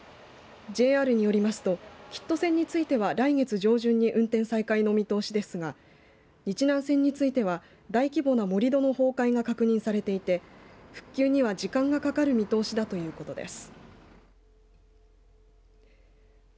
ＪＲによりますと吉都線については来月上旬に運転再開の見通しですが日南線については大規模な盛り土の崩壊が確認されていて復旧には時間がかかる見通しだということです。